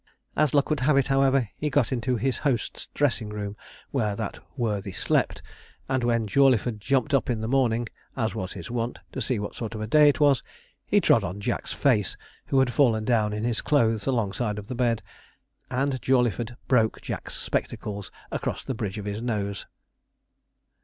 As luck would have it, however, he got into his host's dressing room, where that worthy slept; and when Jawleyford jumped up in the morning, as was his wont, to see what sort of a day it was, he trod on Jack's face, who had fallen down in his clothes alongside of the bed, and Jawleyford broke Jack's spectacles across the bridge of his nose.